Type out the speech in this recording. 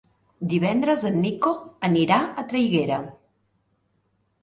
Divendres en Nico anirà a Traiguera.